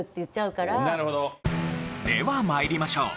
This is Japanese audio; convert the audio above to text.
では参りましょう。